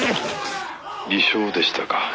「偽証でしたか」